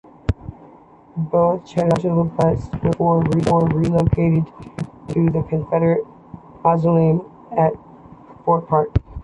Both generals' busts were therefore relocated to the Confederate Monument at Forsyth Park.